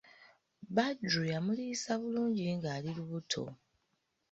Badru yamuliisa bulungi ng'ali lubuto.